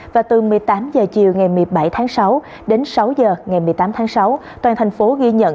và từ một mươi tám h chiều ngày một mươi bảy tháng sáu đến sáu h ngày một mươi tám tháng sáu toàn thành phố ghi nhận